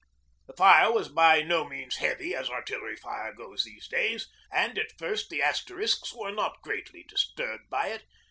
The fire was by no means heavy as artillery fire goes these days, and at first the Asterisks were not greatly disturbed by it.